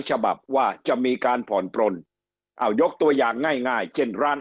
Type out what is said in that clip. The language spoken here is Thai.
ฉบับว่าจะมีการผ่อนปลนอ้าวยกตัวอย่างง่ายง่ายเช่นร้าน